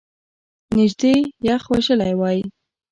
نژدې یخ وژلی وای !